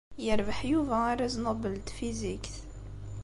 Yerbeḥ Yuba arraz Nobel n tfizikt.